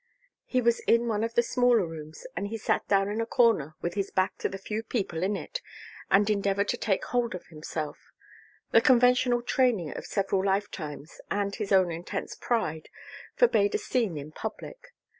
He was in one of the smaller rooms and he sat down in a corner with his back to the few people in it and endeavored to take hold of himself; the conventional training of several lifetimes and his own intense pride forbade a scene in public.